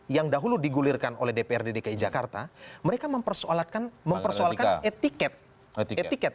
yang dahulu digulirkan oleh dpr dki jakarta mereka mempersoalkan mempersoalkan etiket etiket etiket